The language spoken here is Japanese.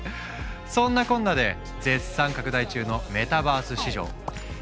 そんなこんなで絶賛拡大中のメタバース市場。